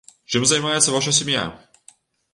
Чым займаецца ваша сям'я?